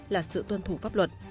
là sự tuân thủ pháp luật